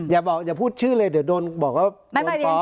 อย่าบอกอย่าพูดชื่อเลยเดี๋ยวโดนบอกว่าโดนฟ้อง